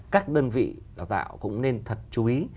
các đơn vị đào tạo cũng nên thật chú ý